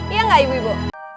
iya nggak ibu ibu